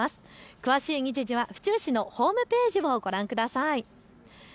詳しい日時は府中市のホームページをご覧ください。